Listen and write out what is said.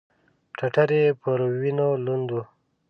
ټټر يې پر وينو لوند و.